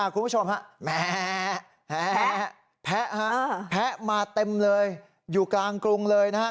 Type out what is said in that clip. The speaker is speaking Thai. คุณผู้ชมฮะแหมแพ้ฮะแพะมาเต็มเลยอยู่กลางกรุงเลยนะครับ